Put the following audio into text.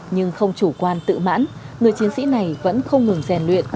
nhưng không chủ quan tự mãn người chiến sĩ này vẫn không ngừng rèn luyện